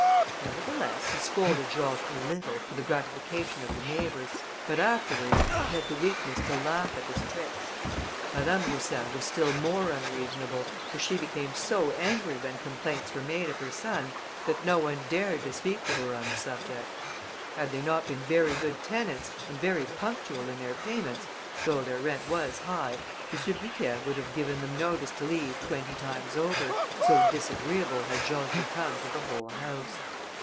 Nevertheless, he scolded George a little, for the gratification of the neighbours, but afterwards he had the weakness to laugh at his tricks. Madame Roussel was still more unreasonable, for she became so angry when complaints were made of her son, that no one dared to speak to her on the subject. Had they not been very good tenants, and very punctual in their payments, though their rent was high, M. Bucquet would have given them notice to leave twenty times over, so disagreeable had George become to the whole house.